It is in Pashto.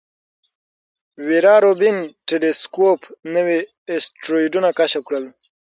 ویرا روبین ټیلسکوپ نوي اسټروېډونه کشف کړل.